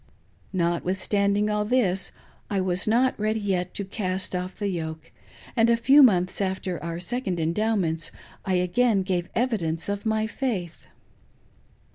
" Notwithstanding all this, I was not ready yet to cast off the 5i8 "GOD bLess you for that." yoke, and a few months after our Second Endowments I again gave evidence of my faith.